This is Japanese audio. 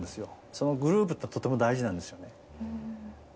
そのグループってとても大事なんですよね。